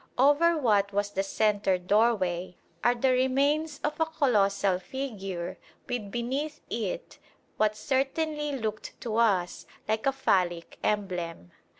Over what was the centre doorway are the remains of a colossal figure with beneath it what certainly looked to us like a phallic emblem.